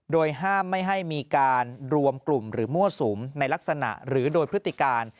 โดยห้ามไม่ให้มีการรวมกลุ่มหรือมั่วสุมในลักษณะหรือโดยพฤติการ